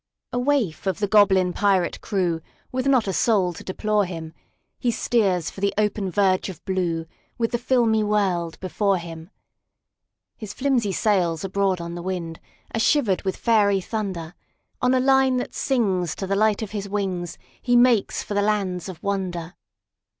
A waif of the goblin pirate crew, With not a soul to deplore him, He steers for the open verge of blueWith the filmy world before him. His flimsy sails abroad on the windAre shivered with fairy thunder; On a line that sings to the light of his wingsHe makes for the lands of wonder.